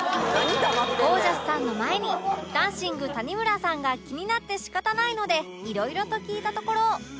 ゴージャスさんの前にダンシング☆谷村さんが気になって仕方ないのでいろいろと聞いたところ